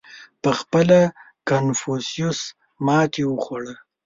• پهخپله کنفوسیوس ماتې وخوړه.